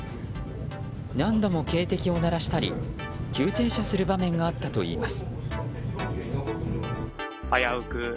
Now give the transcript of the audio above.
何度も警笛を鳴らしたり急停車する場面があったといいます。